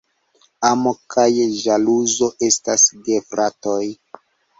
Amo kaj ĵaluzo estas gefratoj.